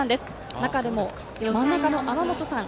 中でも、真ん中の天本さん